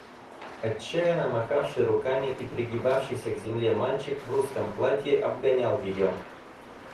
Отчаянно махавший руками и пригибавшийся к земле мальчик в русском платье обгонял ее.